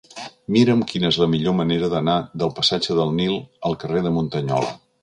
Mira'm quina és la millor manera d'anar del passatge del Nil al carrer de Muntanyola.